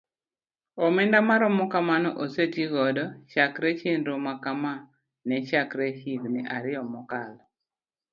Omenda maromo kamano oseti godo chakre chenro makama ne chakre higni ariyo mokalo.